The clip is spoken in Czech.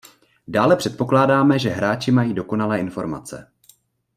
Dále předpokládáme, že hráči mají dokonalé informace